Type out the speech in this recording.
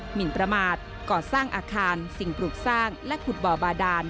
หมินประมาทก่อสร้างอาคารสิ่งปลูกสร้างและขุดบ่อบาดาน